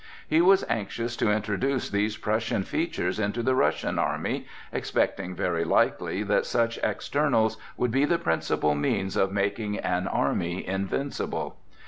He was anxious to introduce these Prussian features into the Russian army, expecting very likely that such externals would be the principal means of making an army invincible.